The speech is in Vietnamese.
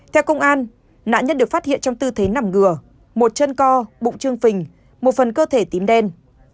theo công an nạn nhân được phát hiện trong tư thế nằm ngửa một chân co bụng trương phình một phần cơ thể tím đen